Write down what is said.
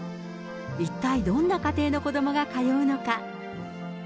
一体どんな家庭の子どもが通うのか。